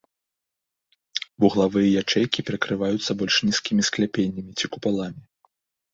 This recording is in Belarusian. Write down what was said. Вуглавыя ячэйкі перакрываюцца больш нізкімі скляпеннямі ці купаламі.